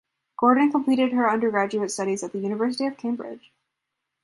Gordon completed her undergraduate studies at the University of Cambridge.